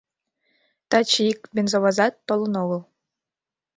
— Таче ик бензовозат толын огыл.